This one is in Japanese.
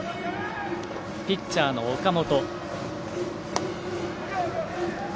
ピッチャーの岡本。